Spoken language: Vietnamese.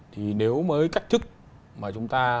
thì nếu mới cách thức mà chúng ta